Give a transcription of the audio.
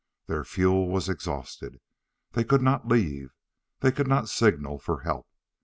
Their fuel was exhausted. They could not leave. They could not signal for help.